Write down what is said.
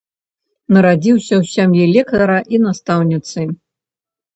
Нарадзіўся ў сям'і лекара і настаўніцы.